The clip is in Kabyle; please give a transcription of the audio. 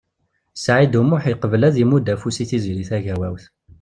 Saɛid U Muḥ yeqbel ad imudd afus i Tiziri Tagawawt.